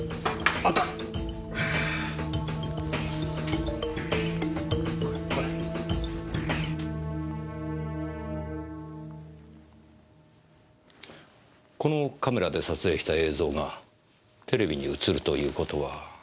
このカメラで撮影した映像がテレビに映るという事は。